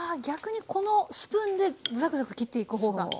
逆にこのスプーンでザクザク切っていく方が。